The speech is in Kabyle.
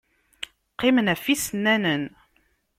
Qqimen ɣef yisennanen.